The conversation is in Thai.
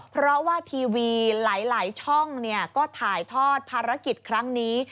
เพราะว่าทีวีหลายช่องก็ถ่ายทอดภารกิจครั้งนี้